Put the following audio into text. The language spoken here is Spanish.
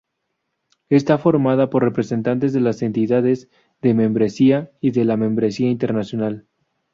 Está formada por representantes de las entidades de membresía y de la membresía internacional.